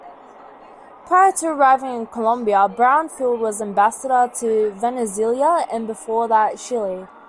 Prior to arriving in Colombia, Brownfield was Ambassador to Venezuela, and before that Chile.